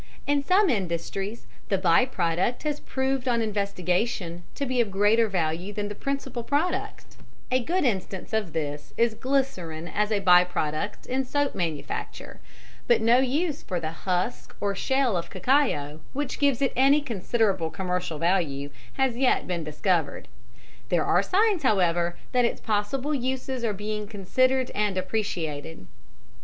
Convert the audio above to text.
In some industries the by product has proved on investigation to be of greater value than the principal product a good instance of this is glycerine as a by product in soap manufacture but no use for the husk or shell of cacao, which gives it any considerable commercial value, has yet been discovered. There are signs, however, that its possible uses are being considered and appreciated.